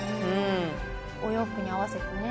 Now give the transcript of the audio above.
お洋服に合わせてね。